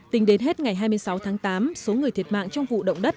tính đến hết ngày hai mươi sáu tháng tám số người thiệt mạng trong vụ động đất